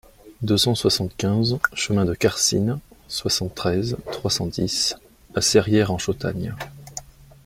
deux cent soixante-quinze chemin de Carsine, soixante-treize, trois cent dix à Serrières-en-Chautagne